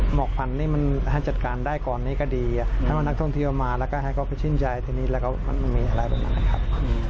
หมอกพันธุ์นี้มันให้จัดการได้ก่อนนี้ก็ดีอ่ะให้มานักท่องเที่ยวมาแล้วก็ให้เขาพิชินใจทีนี้แล้วก็มันมีอะไรเป็นอะไรครับ